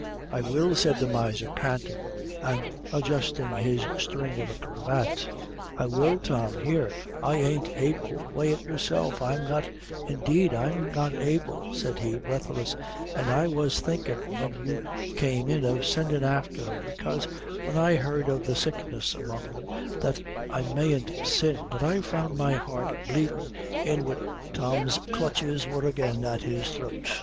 "I will," said the miser, panting, and adjusting his string of a cravat, "I will, Tom; here, I ain't able, weigh it yourself I'm not indeed I'm not able," said he, breathless; "an' I was thinkin when you came in of sendin' afther her, bekase, when I heard of the sickness among them, that I mayn't sin, but I found my heart bleedin' inwar " [Illustration: PAGE 807 Tom's clutches were again at his throat] Tom's clutches were again at his throat.